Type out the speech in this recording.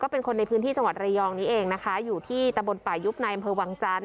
เป็นคนในพื้นที่จังหวัดระยองนี้เองนะคะอยู่ที่ตะบนป่ายุบในอำเภอวังจันทร์